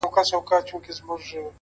د حقیقت منل د ودې دروازه ده,